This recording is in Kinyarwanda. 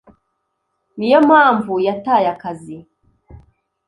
niyo mpamvu yataye akazi